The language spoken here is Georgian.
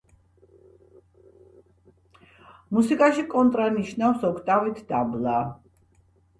მუსიკაში კონტრა ნიშნავს „ოქტავით დაბლა“.